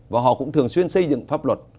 và họ cũng thường xuyên xây dựng pháp luật